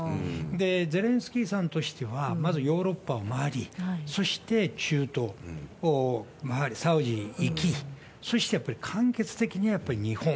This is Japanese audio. で、ゼレンスキーさんとしては、まずヨーロッパを回り、そして中東、サウジ行き、そしてやっぱり完結的にはやっぱり日本。